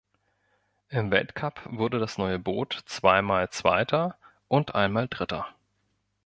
Im Weltcup wurde das neue Boot zweimal Zweiter und einmal Dritter.